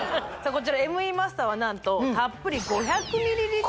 こちらＭＥマスターは何とたっぷり５００ｍｌ